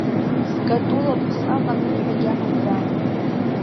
Катул, абысҟак анылҳәа агьама ба!